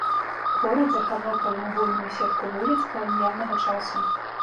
Горад захаваў прамавугольную сетку вуліц каланіяльнага часу.